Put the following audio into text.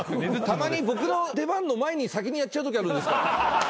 たまに僕の出番の前に先にやっちゃうときあるんですから。